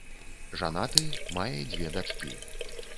Жанаты, мае дзве дачкі.